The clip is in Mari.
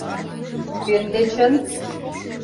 Кӧн дечын?